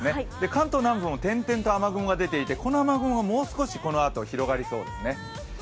関東南部も点々と雨雲が出ていて、この雨雲がもう少しこのあと広がりそうですね。